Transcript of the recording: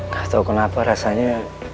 gak tau kenapa rasanya